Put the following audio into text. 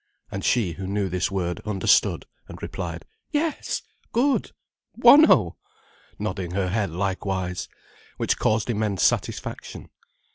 And she, who knew this word, understood, and replied: "Yes, good! Buono!" nodding her head likewise. Which caused immense satisfaction.